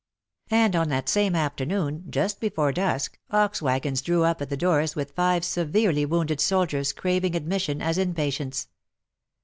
And on that same afternoon, just before dusk, ox waggons drew up at the doors with five severely wounded soldiers craving admission as in patients.